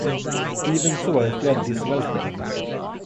Even so I fled this welter.